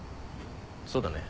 そうだね。